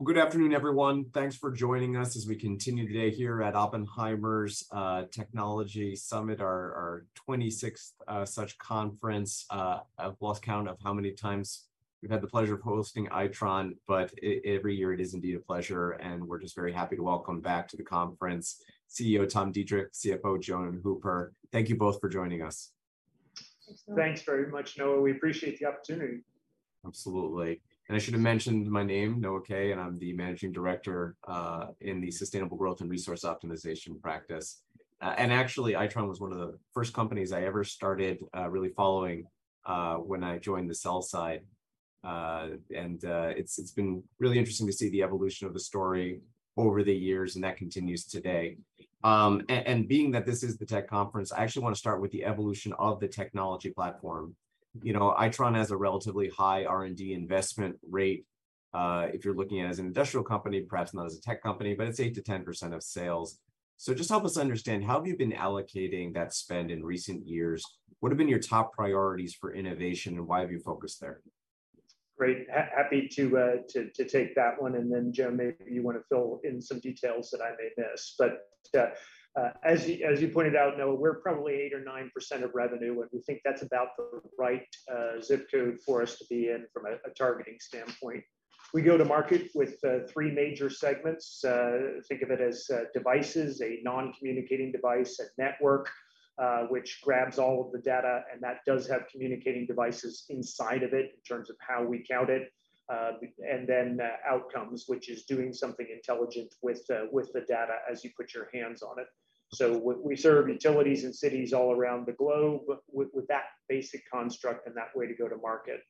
Well, good afternoon, everyone. Thanks for joining us as we continue today here at Oppenheimer's, Technology Summit, our 26th such conference. I've lost count of how many times we've had the pleasure of hosting Itron, but every year it is indeed a pleasure, and we're just very happy to welcome back to the conference CEO Tom Deitrich, CFO Joan Hooper. Thank you both for joining us. Thanks, Noah. Thanks very much, Noah. We appreciate the opportunity. Absolutely. I should have mentioned my name, Noah Kaye, and I'm the Managing Director, in the Sustainable Growth and Resource Optimization practice. Actually, Itron was one of the first companies I ever started, really following, when I joined the sell side. It's, it's been really interesting to see the evolution of the story over the years, and that continues today. Being that this is the tech conference, I actually want to start with the evolution of the technology platform. You know, Itron has a relatively high R&D investment rate, if you're looking at it as an industrial company, perhaps not as a tech company, but it's 8%-10% of sales. Just help us understand, how have you been allocating that spend in recent years? What have been your top priorities for innovation, and why have you focused there? Great. Happy to take that one, and then, Joan, maybe you want to fill in some details that I may miss. As you pointed out, Noah, we're probably 8% or 9% of revenue, and we think that's about the right zip code for us to be in from a targeting standpoint. We go to market with three major segments. Think of it as Devices, a non-communicating device, a Network, which grabs all of the data, and that does have communicating devices inside of it in terms of how we count it. Then Outcomes, which is doing something intelligent with the data as you put your hands on it. We, we serve utilities and cities all around the globe with, with, with that basic construct and that way to go to market.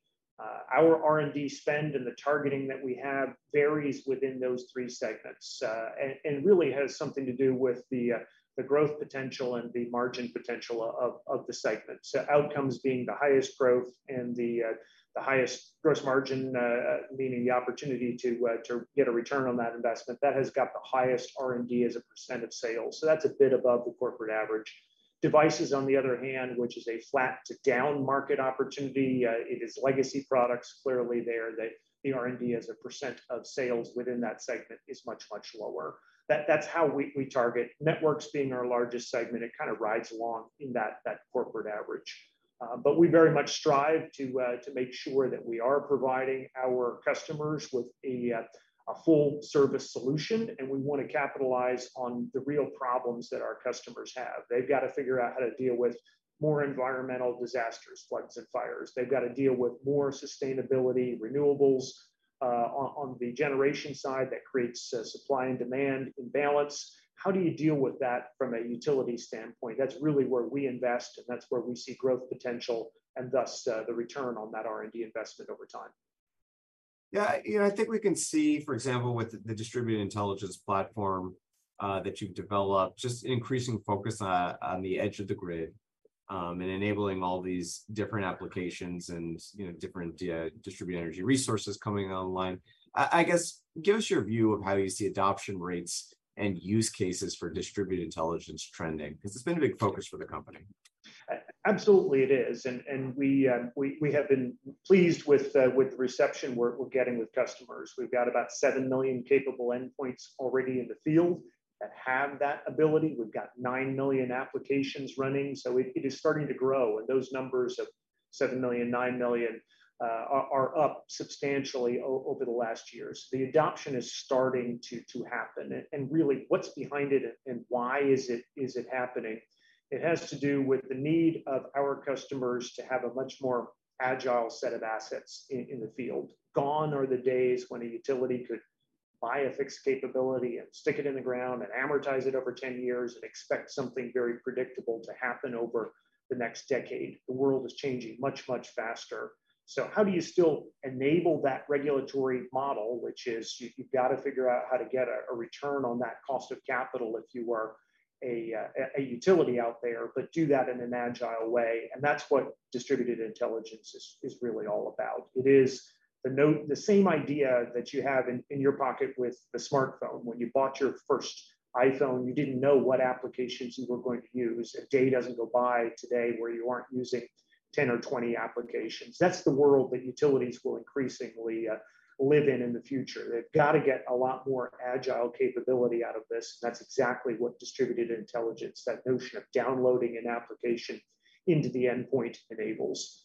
Our R&D spend and the targeting that we have varies within those three segments, and, and really has something to do with the, the growth potential and the margin potential of, of, of the segment. Outcomes being the highest growth and the, the highest gross margin, meaning the opportunity to, to get a return on that investment, that has got the highest R&D as a percent of sales, so that's a bit above the corporate average. Devices, on the other hand, which is a flat to down market opportunity, it is legacy products clearly there, that the R&D as a percent of sales within that segment is much, much lower. That's how we, we target. Networks being our largest segment, it kind of rides along in that, that corporate average. We very much strive to make sure that we are providing our customers with a full-service solution, and we want to capitalize on the real problems that our customers have. They've got to figure out how to deal with more environmental disasters, floods, and fires. They've got to deal with more sustainability, renewables, on, on the generation side that creates a supply and demand imbalance. How do you deal with that from a utility standpoint? That's really where we invest, and that's where we see growth potential, and thus, the return on that R&D investment over time. Yeah, you know, I think we can see, for example, with the Distributed Intelligence platform, that you've developed, just increasing focus on, on the edge of the grid, and enabling all these different applications and, you know, different, distributed energy resources coming online. I, I guess, give us your view of how you see adoption rates and use cases for Distributed Intelligence trending, 'cause it's been a big focus for the company? Absolutely, it is, and we have been pleased with the reception we're getting with customers. We've got about 7 million capable endpoints already in the field that have that ability. We've got 9 million applications running, so it is starting to grow, and those numbers of 7 million, 9 million are up substantially over the last years. The adoption is starting to happen, and really, what's behind it and why is it happening? It has to do with the need of our customers to have a much more agile set of assets in the field. Gone are the days when a utility could buy a fixed capability and stick it in the ground and amortize it over 10 years and expect something very predictable to happen over the next decade. The world is changing much, much faster. How do you still enable that regulatory model, which is you've, you've got to figure out how to get a return on that cost of capital if you are a utility out there, but do that in an agile way? That's what Distributed Intelligence is, is really all about. It is the same idea that you have in, in your pocket with the smartphone. When you bought your first iPhone, you didn't know what applications you were going to use. A day doesn't go by today where you aren't using 10 or 20 applications. That's the world that utilities will increasingly live in in the future. They've got to get a lot more agile capability out of this, and that's exactly what Distributed Intelligence, that notion of downloading an application into the endpoint, enables.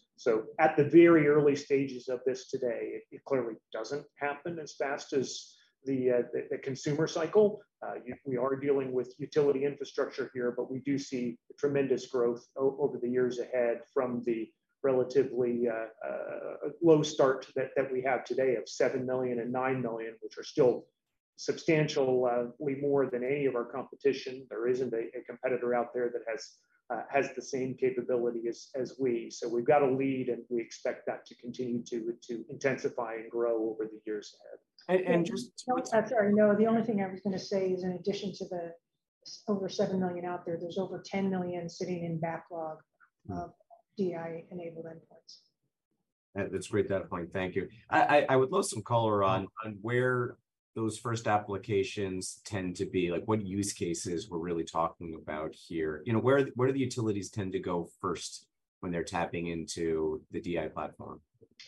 At the very early stages of this today, it clearly doesn't happen as fast as the, the consumer cycle. You know, we are dealing with utility infrastructure here, but we do see tremendous growth over the years ahead from the relatively low start that we have today of 7 million and 9 million, which are still substantially more than any of our competition. There isn't a competitor out there that has the same capability as we. We've got a lead, and we expect that to continue to intensify and grow over the years ahead. And, and just- I'm sorry, Noah, the only thing I was gonna say is, in addition to the over 7 million out there, there's over 10 million sitting in backlog- Mm-hmm. of DI-enabled endpoints. That, that's a great data point. Thank you. I, I, I would love some color on, on where those first applications tend to be, like what use cases we're really talking about here. You know, where, where do the utilities tend to go first? when they're tapping into the DI platform.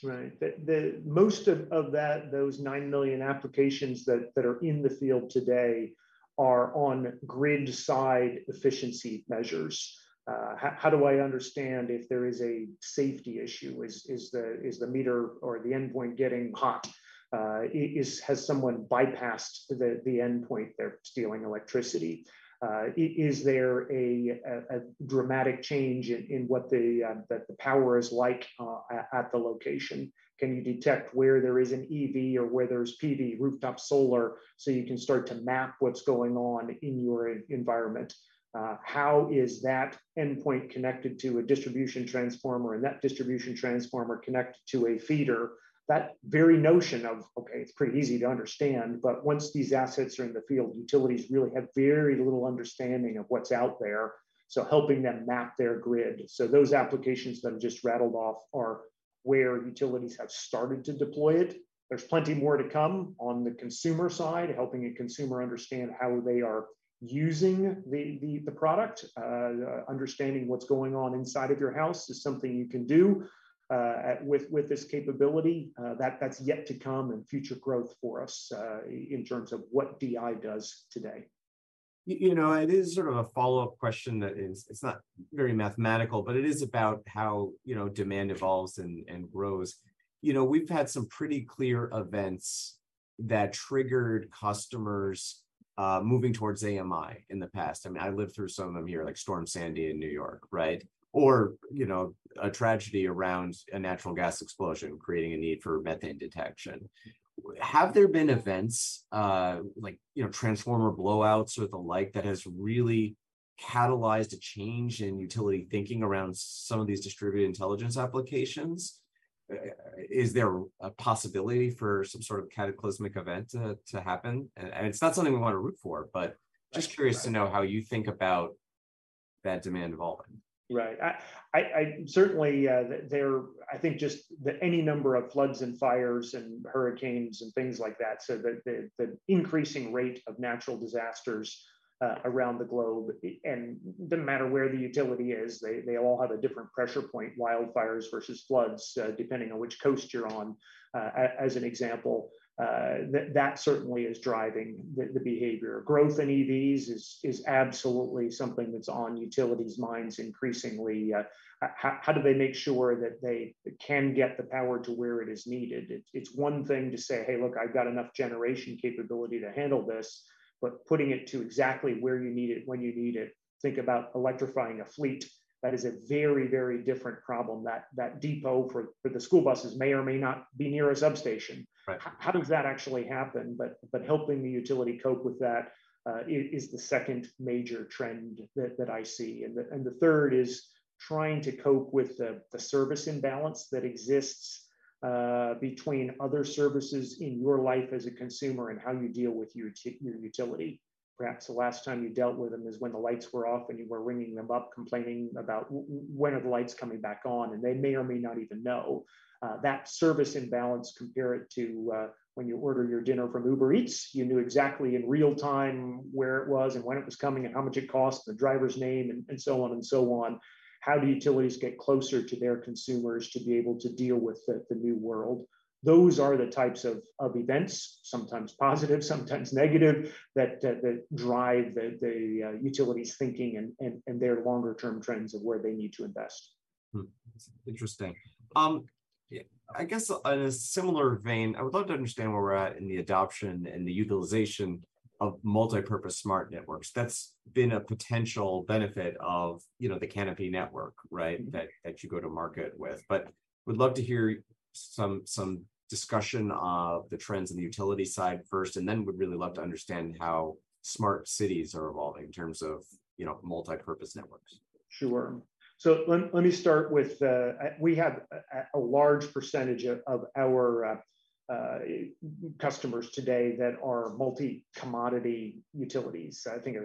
Right. The most of that, those 9 million applications that are in the field today are on grid side efficiency measures. How do I understand if there is a safety issue? Is the meter or the endpoint getting hot? Has someone bypassed the endpoint, they're stealing electricity. Is there a dramatic change in what the power is like at the location? Can you detect where there is an EV or where there's PV rooftop solar, so you can start to map what's going on in your environment? How is that endpoint connected to a distribution transformer, and that distribution transformer connected to a feeder? That very notion of, okay, it's pretty easy to understand, but once these assets are in the field, utilities really have very little understanding of what's out there, so helping them map their grid. Those applications that I just rattled off are where utilities have started to deploy it. There's plenty more to come on the consumer side, helping a consumer understand how they are using the, the, the product. Understanding what's going on inside of your house is something you can do with, with this capability. That, that's yet to come and future growth for us in terms of what DI does today. You know, it is sort of a follow-up question that is, it's not very mathematical, but it is about how, you know, demand evolves and grows. You know, we've had some pretty clear events that triggered customers, moving towards AMI in the past. I mean, I lived through some of them here, like Superstorm Sandy in New York, right? You know, a tragedy around a natural gas explosion, creating a need for Methane Detection. Have there been events, like, you know, transformer blowouts or the like, that has really catalyzed a change in utility thinking around some of these Distributed Intelligence applications? Is there a possibility for some sort of cataclysmic event to happen? It's not something we want to root for, but-. Right. Just curious to know how you think about that demand evolving. Right. I, I, I certainly, I think just that any number of floods and fires and hurricanes and things like that, so the, the, the increasing rate of natural disasters around the globe, and no matter where the utility is, they, they all have a different pressure point, wildfires versus floods, depending on which coast you're on, as an example, that certainly is driving the, the behavior. Growth in EVs is, is absolutely something that's on utilities minds increasingly. How, how do they make sure that they can get the power to where it is needed? It's, it's one thing to say, "Hey, look, I've got enough generation capability to handle this," but putting it to exactly where you need it, when you need it, think about electrifying a fleet. That is a very, very different problem, that, that depot for, for the school buses may or may not be near a substation. Right. How, how does that actually happen? But helping the utility cope with that is, is the second major trend that, that I see. The, and the third is trying to cope with the, the service imbalance that exists between other services in your life as a consumer and how you deal with your utility. Perhaps the last time you dealt with them is when the lights were off, and you were ringing them up, complaining about, "When are the lights coming back on?" They may or may not even know. That service imbalance, compare it to when you order your dinner from Uber Eats, you knew exactly in real time where it was, and when it was coming, and how much it cost, the driver's name, and, and so on and so on. How do utilities get closer to their consumers to be able to deal with the, the new world? Those are the types of, of events, sometimes positive, sometimes negative, that, that, that drive the, the utilities thinking and, and, and their longer term trends of where they need to invest. Hmm, interesting. I guess in a similar vein, I would love to understand where we're at in the adoption and the utilization of multipurpose smart networks. That's been a potential benefit of, you know, the canopy network, right? That you go to market with. Would love to hear some discussion of the trends in the utility side first, and then would really love to understand how Smart Cities are evolving in terms of, you know, multipurpose networks. Sure. Let, let me start with, we have a large percentage of our customers today that are multi-commodity utilities. I think,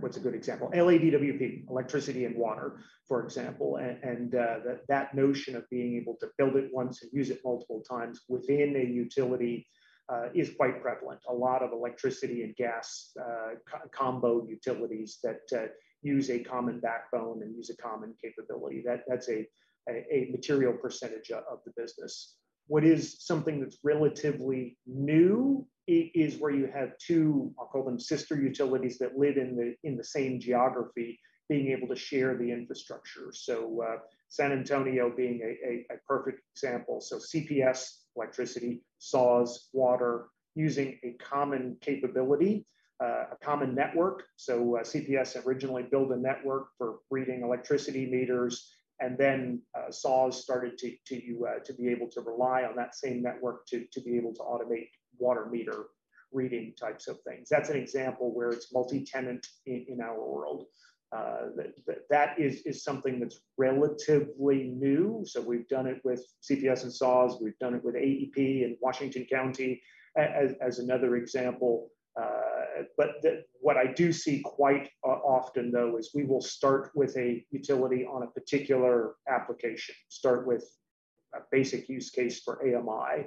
what's a good example? LADWP, Electricity and Water, for example, and that, that notion of being able to build it once and use it multiple times within a utility, is quite prevalent. A lot of Electricity and Gas, co-combo utilities that use a common backbone and use a common capability, that-that's a material percentage of the business. What is something that's relatively new i-is where you have two, I'll call them, sister utilities that live in the same geography, being able to share the infrastructure. San Antonio being a perfect example. CPS, Electricity, SAWS, Water, using a common capability, a common network. CPS originally built a network for reading Electricity Meters, and then SAWS started to be able to rely on that same network to be able to automate Water Meter reading types of things. That's an example where it's multi-tenant in our world. That is something that's relatively new. We've done it with CPS and SAWS, we've done it with AEP and Washington County as another example. What I do see quite often, though, is we will start with a utility on a particular application. A basic use case for AMI,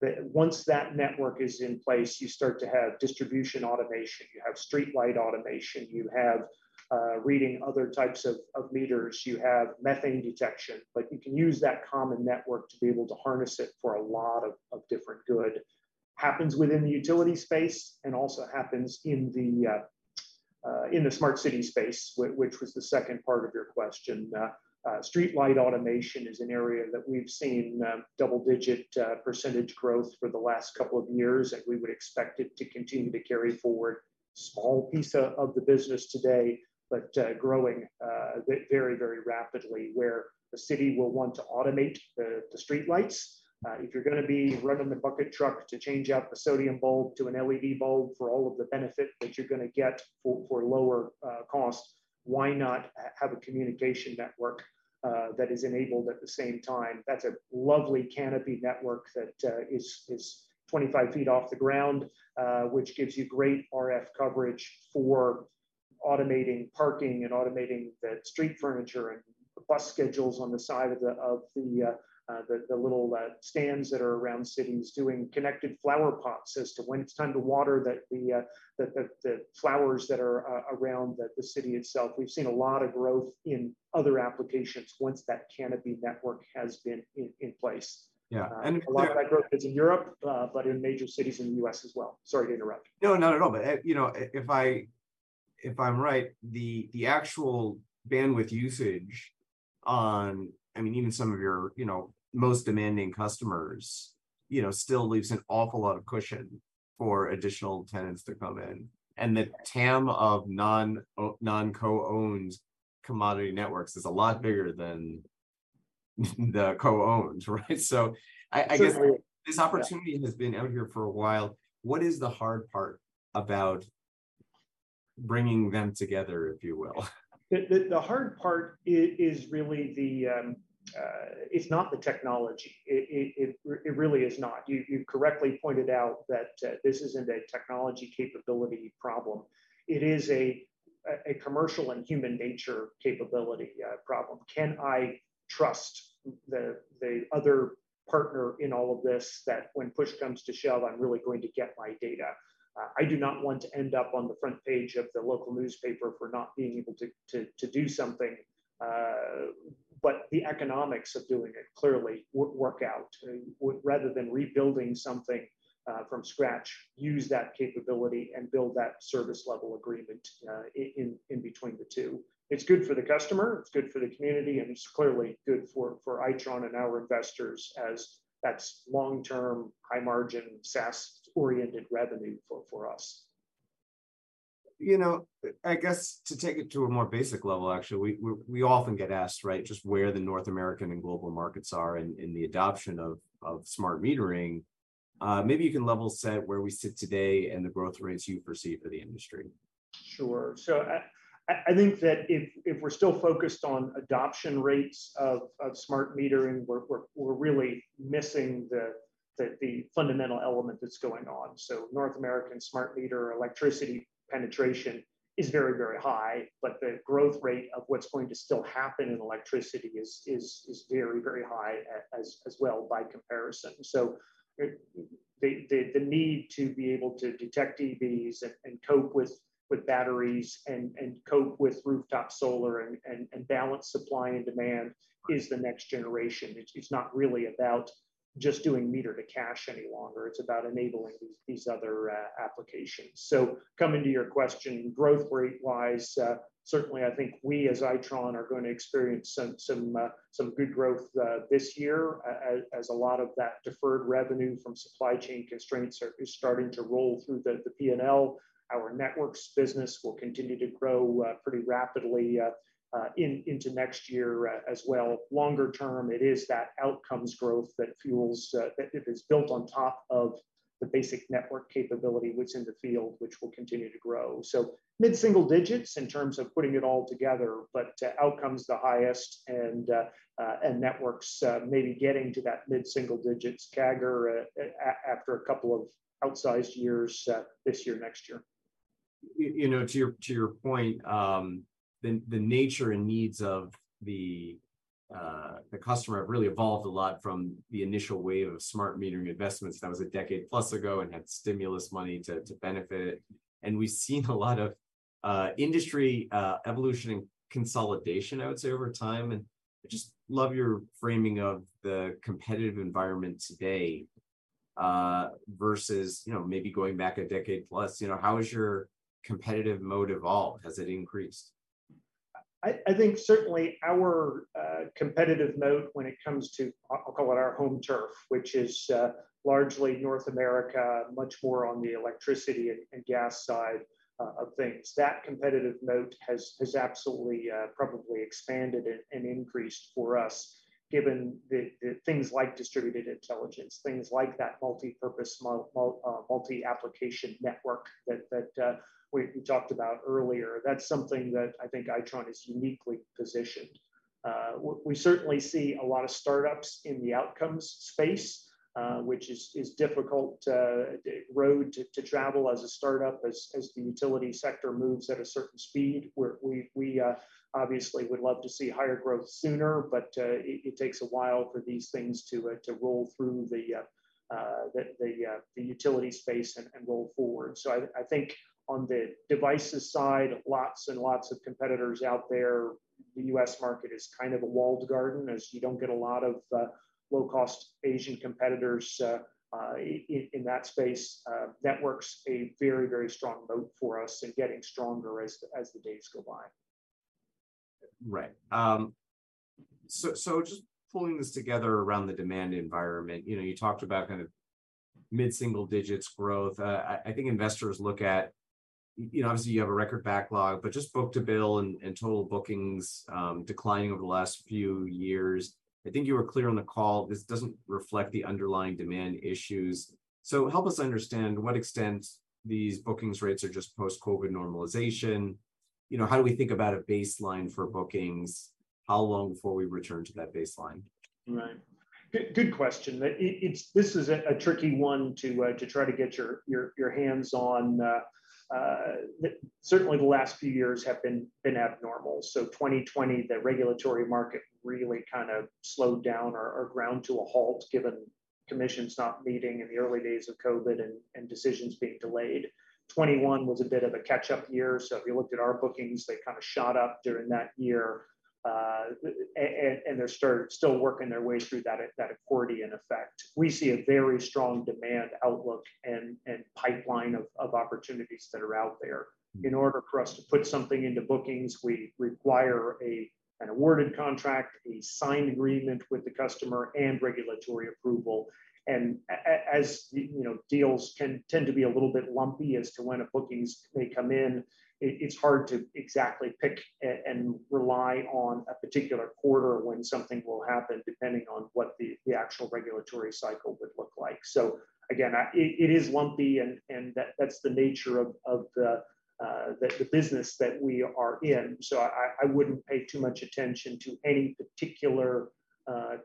that once that network is in place, you start to have Distribution Automation, you have Streetlight automation, you have reading other types of meters, you have Methane Detection. Like, you can use that common network to be able to harness it for a lot of different good. Happens within the utility space, and also happens in the Smart Cities space, which was the second part of your question. Streetlight automation is an area that we've seen double-digit percent of growth for the last couple of years, and we would expect it to continue to carry forward. Small piece of the business today, but growing very, very rapidly, where the city will want to automate the Streetlights. If you're gonna be running the bucket truck to change out the sodium bulb to an LED bulb for all of the benefit that you're gonna get for, for lower cost, why not have a communication network that is enabled at the same time? That's a lovely canopy network that is 25 ft off the ground, which gives you great RF coverage for automating parking, and automating the street furniture, and the bus schedules on the side of the, of the little stands that are around cities, doing connected flowerpots as to when it's time to water the, the, the flowers that are around the city itself. We've seen a lot of growth in other applications once that canopy network has been in place. Yeah. A lot of that growth is in Europe, but in major cities in the U.S. as well. Sorry to interrupt. No, not at all. You know, if I, if I'm right, the, the actual bandwidth usage on... I mean, even some of your, you know, most demanding customers, you know, still leaves an awful lot of cushion for additional tenants to come in. The TAM of non-co-owned commodity networks is a lot bigger than the co-owned, right? I guess- So- This opportunity has been out here for a while. What is the hard part about bringing them together, if you will? The hard part is really the, it's not the technology. It really is not. You correctly pointed out that this isn't a technology capability problem. It is a commercial and human nature capability problem. Can I trust the other partner in all of this, that when push comes to shove, I'm really going to get my data? I do not want to end up on the front page of the local newspaper for not being able to do something. The economics of doing it clearly would work out, would rather than rebuilding something from scratch, use that capability and build that service level agreement in between the two. It's good for the customer, it's good for the community, and it's clearly good for, for Itron and our investors, as that's long-term, high-margin, SaaS-oriented revenue for, for us. You know, I guess to take it to a more basic level, actually, we, we, we often get asked, right, just where the North American and global markets are in, in the adoption of, of Smart Metering. Maybe you can level set where we sit today and the growth rates you foresee for the industry. Sure. I think that if we're still focused on adoption rates of Smart Metering, we're really missing the fundamental element that's going on. North American smart meter electricity penetration is very, very high, but the growth rate of what's going to still happen in electricity is very, very high as well by comparison. The need to be able to detect EVs and cope with batteries, and cope with rooftop solar, and balance supply and demand is the next generation. It's not really about just doing meter to cash any longer, it's about enabling these other applications. Coming to your question, growth rate-wise, certainly I think we, as Itron, are going to experience some, some, some good growth, this year, as, as a lot of that deferred revenue from supply chain constraints are, is starting to roll through the, the P&L. Our networks business will continue to grow pretty rapidly in, into next year, as well. Longer term, it is that outcomes growth that fuels that it is built on top of the basic network capability what's in the field, which will continue to grow. Mid-single digits in terms of putting it all together, but outcomes the highest, and and networks, maybe getting to that mid-single digits CAGR after a couple of outsized years, this year, next year. You know, to your, to your point, the, the nature and needs of the, the customer have really evolved a lot from the initial wave of Smart Metering investments. That was a decade plus ago and had stimulus money to, to benefit. We've seen a lot of industry evolution and consolidation, I would say, over time. I just love your framing of the competitive environment today versus, you know, maybe going back a decade plus. You know, how has your competitive moat evolved? Has it increased? I, I think certainly our competitive moat when it comes to, I'll, I'll call it our home turf, which is largely North America, much more on the Electricity and, and Gas side of things. That competitive moat has, has absolutely probably expanded and, and increased for us, given the, the things like Distributed Intelligence, things like that multipurpose multi-application network that, that we, we talked about earlier. That's something that I think Itron is uniquely positioned.... we certainly see a lot of startups in the outcomes space, which is difficult road to, to travel as a startup as, as the utility sector moves at a certain speed. We, we obviously would love to see higher growth sooner, but it, it takes a while for these things to to roll through the the the utility space and, and roll forward. I, I think on the devices side, lots and lots of competitors out there. The U.S. market is kind of a walled garden, as you don't get a lot of low-cost Asian competitors in in that space. Network's a very, very strong moat for us and getting stronger as the, as the days go by. Right. So just pulling this together around the demand environment, you know, you talked about kind of mid-single digits growth. I, I think investors look at, you know, obviously, you have a record backlog, but just book-to-bill and, and total bookings, declining over the last few years. I think you were clear on the call, this doesn't reflect the underlying demand issues. Help us understand to what extent these bookings rates are just post-COVID normalization. You know, how do we think about a baseline for bookings? How long before we return to that baseline? Right. Good, good question. It, it, it's this is a, a tricky one to try to get your, your, your hands on. Certainly, the last few years have been, been abnormal. 2020, the regulatory market really kind of slowed down or, or ground to a halt, given commissions not meeting in the early days of COVID and, and decisions being delayed. 2021 was a bit of a catch-up year, so if you looked at our bookings, they kind of shot up during that year. They're still working their way through that, that accordions effect. We see a very strong demand outlook and, and pipeline of, of opportunities that are out there. In order for us to put something into bookings, we require a, an awarded contract, a signed agreement with the customer, and regulatory approval. As, you know, deals can tend to be a little bit lumpy as to when bookings may come in, it's hard to exactly pick and rely on a particular quarter when something will happen, depending on what the, the actual regulatory cycle would look like. Again, I... it is lumpy, and that's the nature of, of the, the business that we are in, so I, I wouldn't pay too much attention to any particular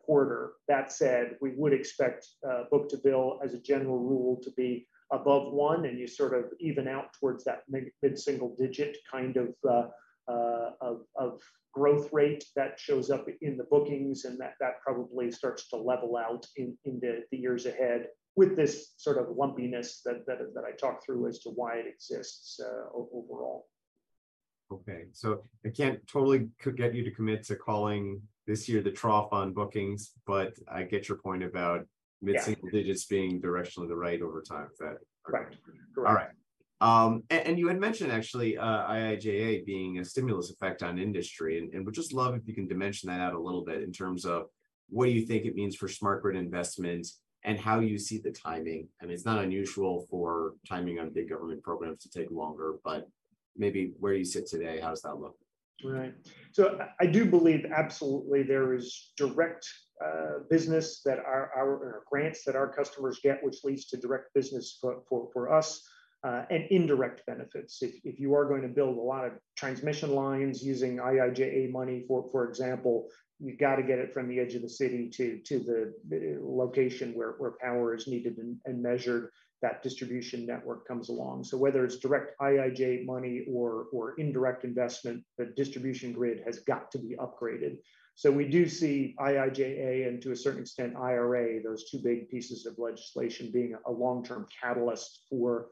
quarter. That said, we would expect book-to-bill, as a general rule, to be above one. You sort of even out towards that mid, mid-single digit kind of, of growth rate that shows up in the bookings. That, that probably starts to level out in, in the years ahead with this sort of lumpiness that, that, that I talked through as to why it exists, overall. I can't totally get you to commit to calling this year the trough on bookings, but I get your point. Yeah Mid-single digits being directionally the right over time. Is that correct? Correct. All right. You had mentioned actually, IIJA being a stimulus effect on industry, and would just love if you can dimension that out a little bit in terms of what you think it means for Smart Grid investments and how you see the timing. I mean, it's not unusual for timing on big government programs to take longer, but maybe where you sit today, how does that look? Right. I, I do believe absolutely there is direct business that our, our, or grants that our customers get, which leads to direct business for, for, for us, and indirect benefits. If, if you are going to build a lot of transmission lines using IIJA money, for, for example, you've got to get it from the edge of the city to, to the, the location where, where power is needed and, and measured. That distribution network comes along. Whether it's direct IIJA money or, or indirect investment, the Distribution Grid has got to be upgraded. We do see IIJA, and to a certain extent, ARRA, those two big pieces of legislation being a long-term catalyst for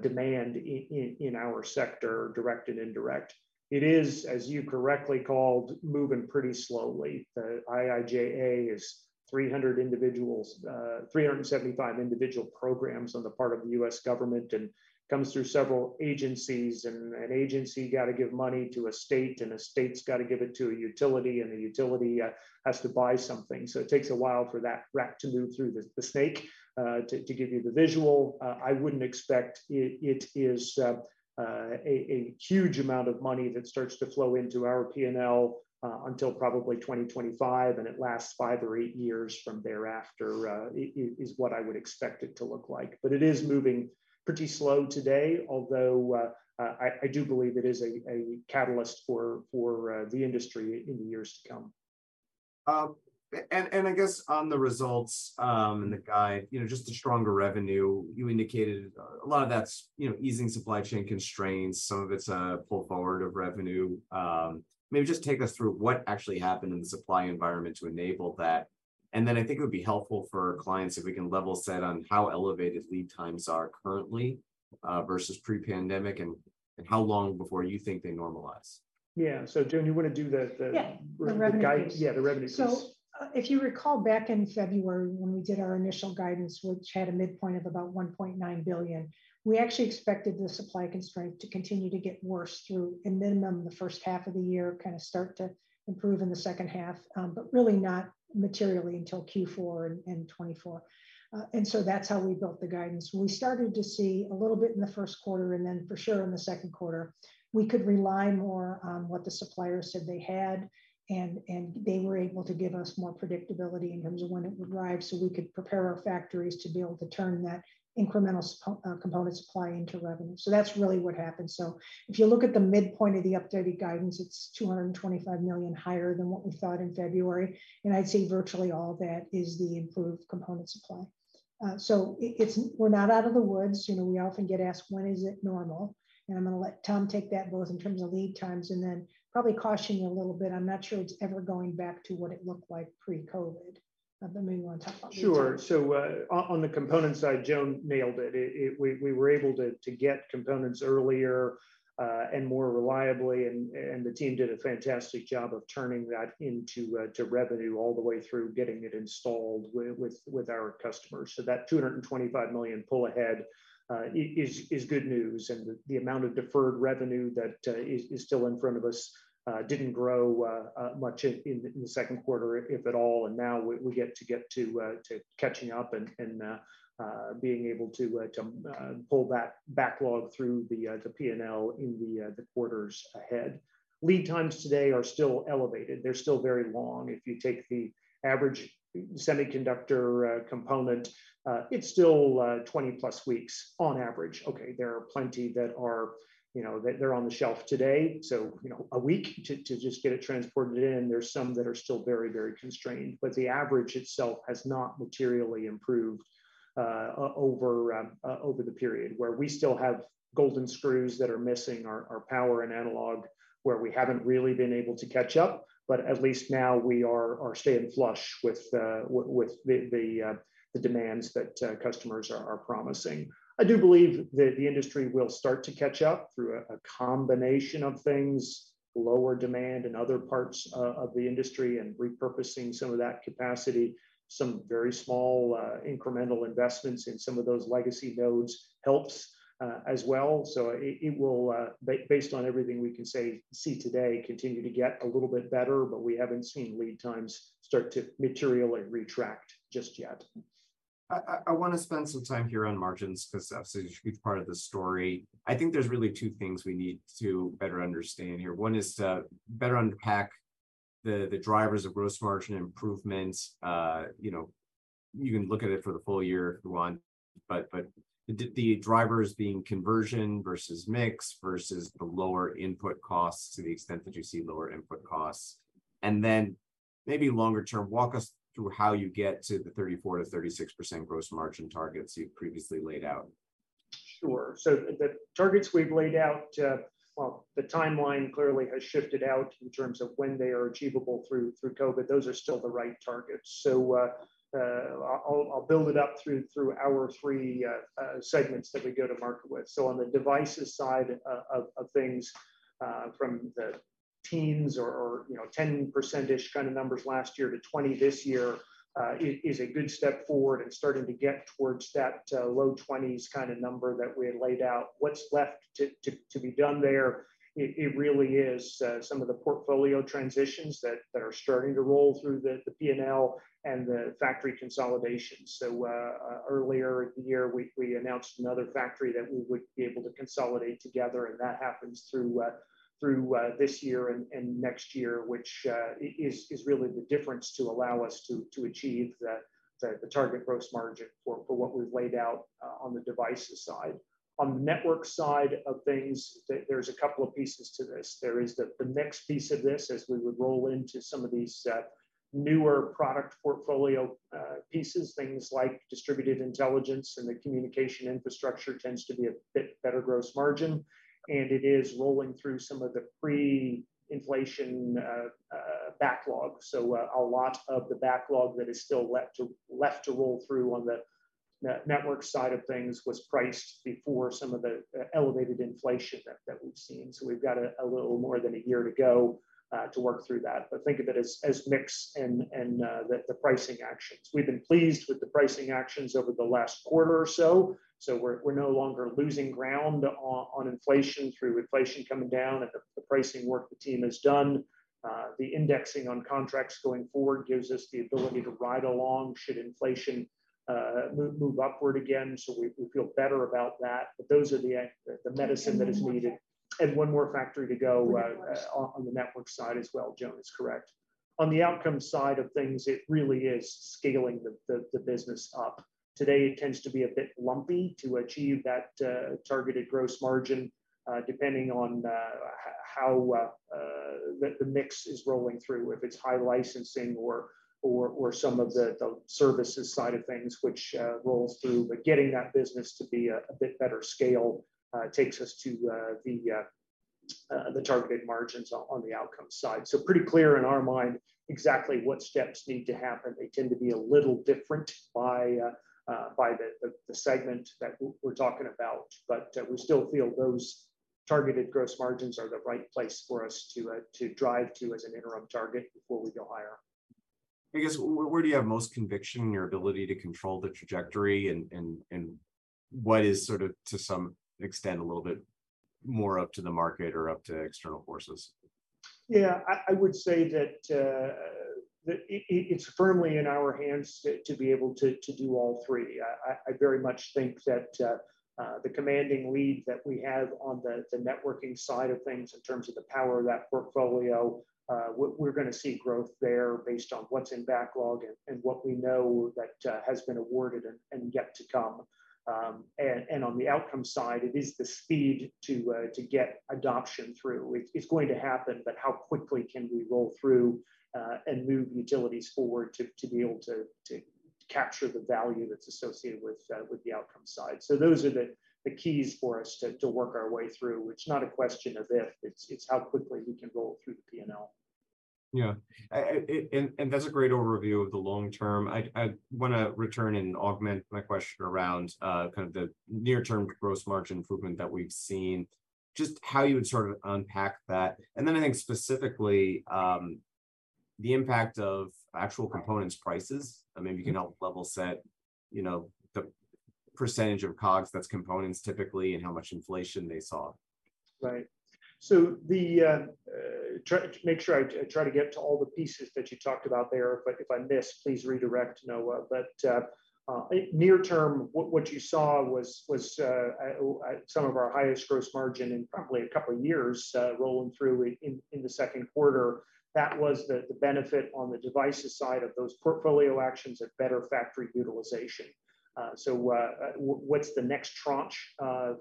demand in, in our sector, direct and indirect. It is, as you correctly called, moving pretty slowly. The IIJA is 375 individual programs on the part of the U.S. government, and comes through several agencies, and an agency got to give money to a state, and a state's got to give it to a utility, and the utility has to buy something. It takes a while for that rat to move through the snake to give you the visual. I wouldn't expect it, it is a huge amount of money that starts to flow into our P&L until probably 2025, and it lasts five or eight years from thereafter, is what I would expect it to look like. It is moving pretty slow today, although, I do believe it is a catalyst for the industry in the years to come. I guess on the results, and the guide, you know, just the stronger revenue, you indicated, a lot of that's, you know, easing supply chain constraints. Some of it's a pull forward of revenue. Maybe just take us through what actually happened in the supply environment to enable that, and then I think it would be helpful for our clients if we can level set on how elevated lead times are currently, versus pre-pandemic, and how long before you think they normalize? Yeah. Joan, you want to do? Yeah, the revenue piece. The guide. Yeah, the revenue piece. If you recall back in February when we did our initial guidance, which had a midpoint of about $1.9 billion, we actually expected the supply constraint to continue to get worse through a minimum the first half of the year, kind of start to improve in the second half, but really not materially until Q4 in 2024. That's how we built the guidance. We started to see a little bit in the first quarter, and then for sure in the second quarter. We could rely more on what the suppliers said they had, and they were able to give us more predictability in terms of when it would arrive, so we could prepare our factories to be able to turn that incremental component supply into revenue. That's really what happened. If you look at the midpoint of the updated guidance, it's $225 million higher than what we thought in February, and I'd say virtually all that is the improved component supply. So it's, we're not out of the woods. You know, we often get asked, "When is it normal?" I'm gonna let Tom take that, both in terms of lead times and then probably caution you a little bit. I'm not sure it's ever going back to what it looked like pre-COVID. I don't know, maybe you wanna talk about that? Sure. On, on the component side, Joan nailed it. We were able to get components earlier and more reliably, and the team did a fantastic job of turning that into revenue all the way through getting it installed with our customers. That $225 million pull ahead is good news, and the amount of deferred revenue that is still in front of us didn't grow much in the second quarter, if at all. Now we get to catching up and being able to pull that backlog through the P&L in the quarters ahead. Lead times today are still elevated. They're still very long. If you take the average semiconductor component, it's still 20+ weeks on average. Okay, there are plenty that are, you know, they're on the shelf today, so, you know, one week to just get it transported in. There are some that are still very, very constrained, but the average itself has not materially improved over the period, where we still have golden screws that are missing, our power and analog, where we haven't really been able to catch up. At least now we are staying flush with the demands that customers are promising. I do believe that the industry will start to catch up through a combination of things: lower demand in other parts of the industry and repurposing some of that capacity. Some very small, incremental investments in some of those legacy nodes helps, as well. It, it will, based on everything we can say, see today, continue to get a little bit better, but we haven't seen lead times start to materially retract just yet. I wanna spend some time here on margins, 'cause that's a huge part of the story. I think there's really two things we need to better understand here. One is to better unpack the drivers of gross margin improvements. You know, you can look at it for the full year if you want, but the drivers being conversion versus mix, versus the lower input costs, to the extent that you see lower input costs. Maybe longer term, walk us through how you get to the 34%-36% gross margin targets you've previously laid out. Sure. The, the targets we've laid out, well, the timeline clearly has shifted out in terms of when they are achievable through, through COVID. Those are still the right targets. I'll, I'll build it up through, through our three segments that we go to market with. On the devices side of things, from the teens or, or, you know, 10% kind of numbers last year to 20 this year, is, is a good step forward and starting to get towards that low 20s kinda number that we had laid out. What's left to be done there, it really is some of the portfolio transitions that, that are starting to roll through the P&L and the factory consolidation. Earlier in the year, we, we announced another factory that we would be able to consolidate together, and that happens through, through this year and, and next year, which is, is really the difference to allow us to, to achieve the, the, the target gross margin for, for what we've laid out, on the devices side. On the network side of things, there, there's a couple of pieces to this. There is the, the next piece of this, as we would roll into some of these, newer product portfolio, pieces, things like Distributed Intelligence and the communication infrastructure tends to be a bit better gross margin, and it is rolling through some of the pre-inflation, backlog. A lot of the backlog that is still left to, left to roll through on the network side of things was priced before some of the elevated inflation that, that we've seen. We've got a, a little more than a year to go to work through that. Think of it as, as mix and, and the pricing actions. We've been pleased with the pricing actions over the last quarter or so, so we're, we're no longer losing ground on, on inflation through inflation coming down and the, the pricing work the team has done. The indexing on contracts going forward gives us the ability to ride along should inflation move upward again, so we feel better about that. Those are the medicine that is needed. One more factory. One more factory to go. Three more on, on the network side as well. Joan is correct. On the outcome side of things, it really is scaling the, the, the business up. Today, it tends to be a bit lumpy to achieve that targeted gross margin, depending on h- how the mix is rolling through, if it's high licensing or, or, or some of the, the services side of things, which rolls through. Getting that business to be a, a bit better scale, takes us to the targeted margins on, on the outcome side. Pretty clear in our mind exactly what steps need to happen. They tend to be a little different by, by the, the, the segment that we're talking about, but we still feel those targeted gross margins are the right place for us to drive to as an interim target before we go higher. I guess, where do you have most conviction in your ability to control the trajectory, and what is sort of, to some extent, a little bit more up to the market or up to external forces? Yeah, I, I would say that it, it, it's firmly in our hands to, to be able to, to do all three. I, I, I very much think that the commanding lead that we have on the, the networking side of things in terms of the power of that portfolio, we're, we're gonna see growth there based on what's in backlog and, and what we know that has been awarded and, and yet to come. On the outcome side, it is the speed to get adoption through. It's, it's going to happen, but how quickly can we roll through and move utilities forward to, to be able to capture the value that's associated with the outcome side. Those are the, the keys for us to, to work our way through. It's not a question of if, it's, it's how quickly we can roll it through the P&L. Yeah. That's a great overview of the long term. I, I wanna return and augment my question around, kind of the near-term gross margin improvement that we've seen, just how you would sort of unpack that. Then I think specifically, the impact of actual components' prices, and maybe you can help level set, you know, the percentage of COGS that's components typically, and how much inflation they saw? Right. Make sure I try to get to all the pieces that you talked about there, but if I miss, please redirect, Noah. Near term, what you saw was some of our highest gross margin in probably couple of years, rolling through in the second quarter. That was the benefit on the devices side of those portfolio actions of better factory utilization. What's the next tranche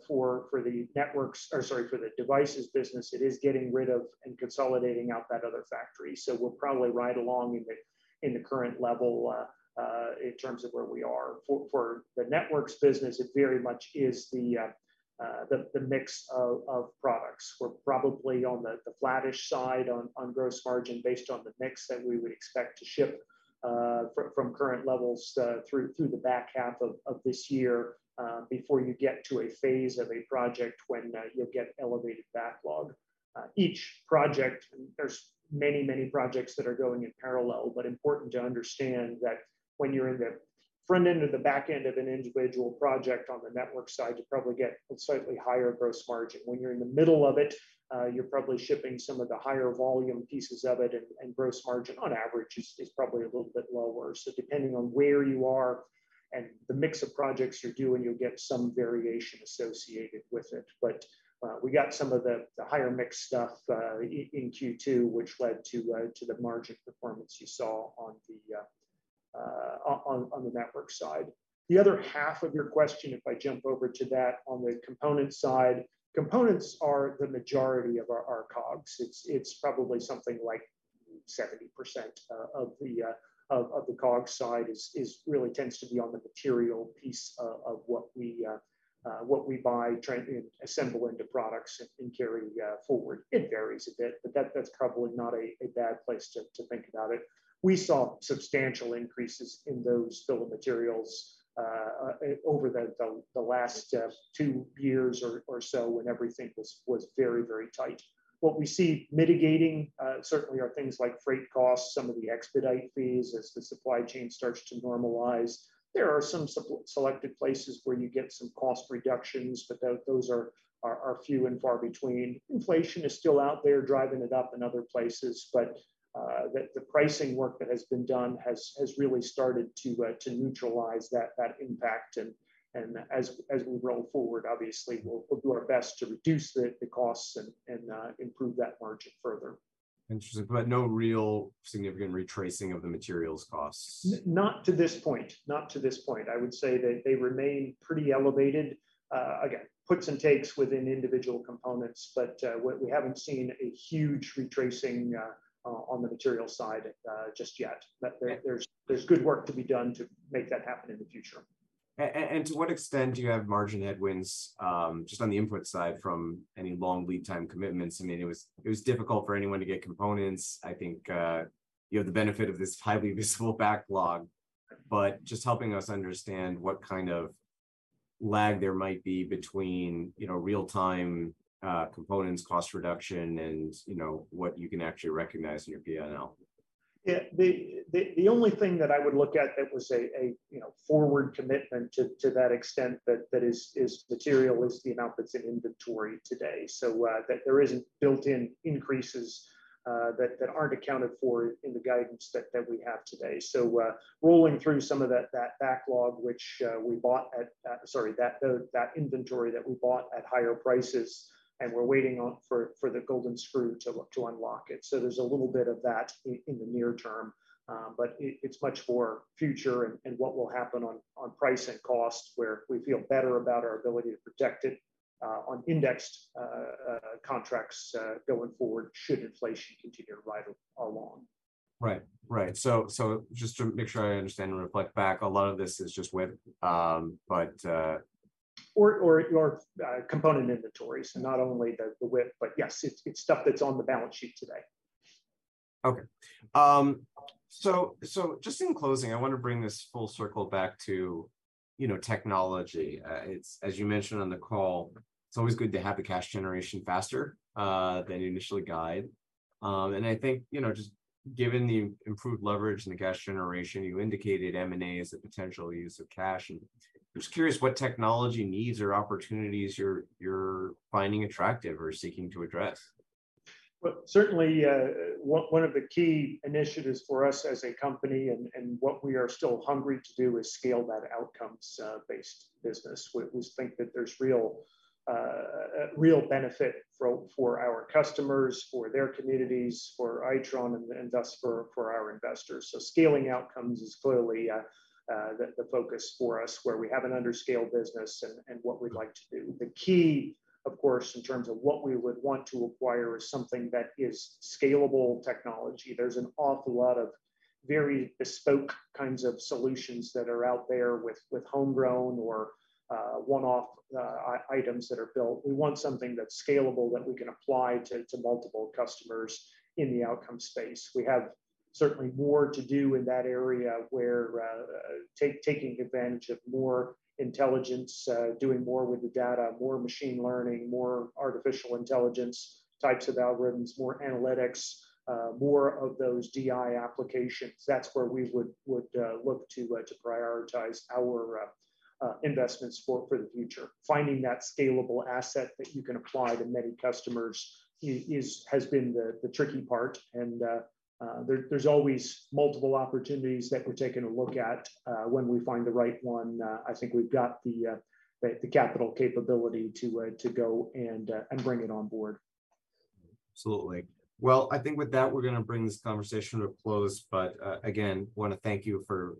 for the networks or sorry, for the devices business? It is getting rid of and consolidating out that other factory. We're probably right along in the current level in terms of where we are. For the networks business, it very much is the mix of products. We're probably on the flattish side on gross margin, based on the mix that we would expect to ship from current levels through the back half of this year before you get to a phase of a project when you'll get elevated backlog. Each project, there's many, many projects that are going in parallel, but important to understand that when you're in the front end or the back end of an individual project on the network side, you probably get a slightly higher gross margin. When you're in the middle of it, you're probably shipping some of the higher volume pieces of it, and gross margin on average is probably a little bit lower. Depending on where you are and the mix of projects you're doing, you'll get some variation associated with it. We got some of the, the higher mix stuff in Q2, which led to the margin performance you saw on the network side. The other half of your question, if I jump over to that, on the component side, components are the majority of our, our COGS. It's, it's probably something like 70% of the COGS side really tends to be on the material piece of what we buy, trying to assemble into products and carry forward. It varies a bit, but that, that's probably not a bad place to think about it. We saw substantial increases in those bill of materials over the last two years or so, when everything was very, very tight. What we see mitigating, certainly are things like freight costs, some of the expedite fees, as the supply chain starts to normalize. There are some selected places where you get some cost reductions, but those are few and far between. Inflation is still out there, driving it up in other places, but, the, the pricing work that has been done has, has really started to, to neutralize that, that impact. As we roll forward, obviously, we'll, we'll do our best to reduce the, the costs and, and, improve that margin further. Interesting, but no real significant retracing of the materials costs? Not to this point. Not to this point. I would say they, they remain pretty elevated. again, puts and takes within individual components, but we, we haven't seen a huge retracing on the material side just yet. There, there's, there's good work to be done to make that happen in the future. To what extent do you have margin headwinds, just on the input side from any long lead time commitments? I mean, it was, it was difficult for anyone to get components. I think, you have the benefit of this highly visible backlog, but just helping us understand what kind of lag there might be between, you know, real-time, components, cost reduction, and, you know, what you can actually recognize in your P&L. Yeah. The, the, the only thing that I would look at that was a, a, you know, forward commitment to, to that extent, that, that is, is material, is the amount that's in inventory today. That there isn't built-in increases that aren't accounted for in the guidance that we have today. Rolling through some of that backlog, which we bought at. Sorry, that inventory that we bought at higher prices, and we're waiting on for the golden screw to unlock it. There's a little bit of that in the near term, but it's much more future and what will happen on price and cost, where we feel better about our ability to protect it on indexed contracts, going forward, should inflation continue to ride along. Right. Right. So just to make sure I understand and reflect back, a lot of this is just WIP. Or your component inventory. Not only the, the WIP, but yes, it's, it's stuff that's on the balance sheet today. Okay. Just in closing, I want to bring this full circle back to, you know, technology. It's, as you mentioned on the call, it's always good to have the cash generation faster than you initially guide. I think, you know, just given the improved leverage and the cash generation, you indicated M&A as a potential use of cash, and I'm just curious what technology needs or opportunities you're, you're finding attractive or seeking to address? Well, certainly, one, one of the key initiatives for us as a company and what we are still hungry to do is scale that outcomes based business. We, we think that there's real, real benefit for, for our customers, for their communities, for Itron and thus for, for our investors. Scaling outcomes is clearly the focus for us, where we have an under-scale business and what we'd like to do. The key, of course, in terms of what we would want to acquire, is something that is scalable technology. There's an awful lot of very bespoke kinds of solutions that are out there with homegrown or one-off items that are built. We want something that's scalable, that we can apply to, to multiple customers in the outcome space. We have certainly more to do in that area, where, taking advantage of more intelligence, doing more with the data, more machine learning, more artificial intelligence types of algorithms, more analytics, more of those DI applications. That's where we would, would, look to, to prioritize our, investments for, for the future. Finding that scalable asset that you can apply to many customers is, has been the, the tricky part, and, there, there's always multiple opportunities that we're taking a look at. When we find the right one, I think we've got the, the, the capital capability to, to go and, and bring it on board. Absolutely. Well, I think with that, we're gonna bring this conversation to a close, but again, wanna thank you for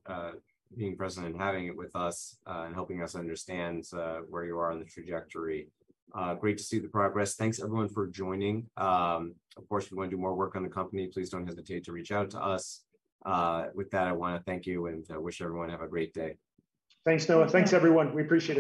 being present and having it with us, and helping us understand where you are on the trajectory. Great to see the progress. Thanks, everyone, for joining. Of course, if you wanna do more work on the company, please don't hesitate to reach out to us. With that, I wanna thank you, and I wish everyone have a great day. Thanks, Noah. Thanks, everyone. We appreciate it.